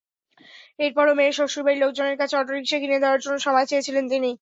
এরপরও মেয়ের শ্বশুরবাড়ির লোকজনের কাছে অটোরিকশা কিনে দেওয়ার জন্য সময় চেয়েছিলেন তিনি।